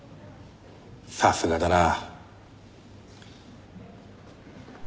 さすがだなあ。